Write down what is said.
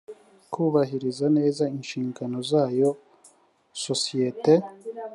kubahiriza neza inshigano zayo sosiyete